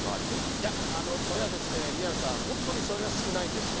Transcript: いや、これはですね、宮根さん、本当にそれが少ないんですよ。